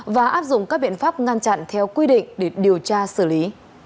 và áp dụng các biện pháp ngăn chặn theo quy định để điều tra xử lý